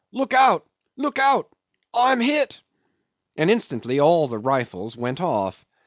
"Look out, look out I am hit," and instantly all the rifles went off.